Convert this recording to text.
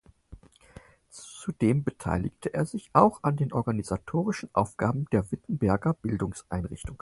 Zudem beteiligte er sich auch an den organisatorische Aufgaben der Wittenberger Bildungseinrichtung.